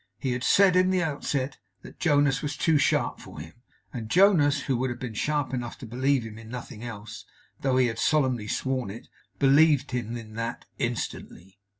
He had said, in the outset, that Jonas was too sharp for him; and Jonas, who would have been sharp enough to believe him in nothing else, though he had solemnly sworn it, believed him in that, instantly.